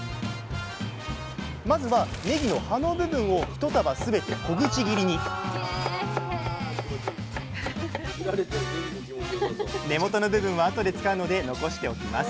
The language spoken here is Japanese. まずはねぎの葉の部分を一束全て小口切りに根元の部分は後で使うので残しておきます。